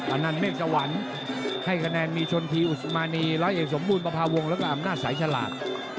อันนั้นเมฆสวรรค์ให้คะแนนมีชนทีอุสมานีร้อยเอกสมบูรณประพาวงศ์แล้วก็อำนาจสายฉลาด